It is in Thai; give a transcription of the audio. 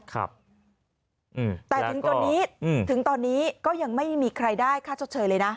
แต่ถึงตอนนี้ก็ยังไม่มีใครได้ค่าชดเฉยเลยนะ